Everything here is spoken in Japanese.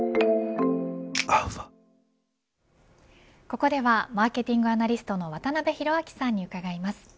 ここではマーケティングアナリストの渡辺広明さんに伺います。